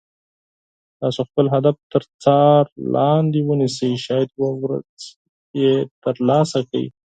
تاسو خپل هدف تر څار لاندې ونیسئ شاید یوه ورځ یې تر لاسه کړئ.